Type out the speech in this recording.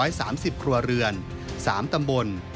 ชาวบ้าน๒๔๓๐ครัวเรือน๓ตำบล